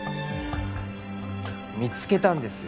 見つけたんですよ